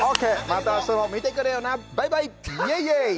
また明日も見てくれよなバイバイイェイイェイ